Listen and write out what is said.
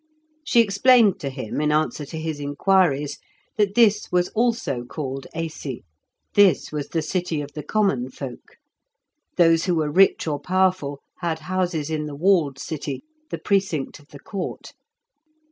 She explained to him, in answer to his inquiries, that this was also called Aisi; this was the city of the common folk. Those who were rich or powerful had houses in the walled city, the precinct of the Court.